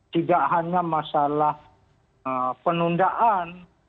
tidak hanya masalah penundaan